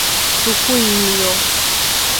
Sukuyiyi nyon.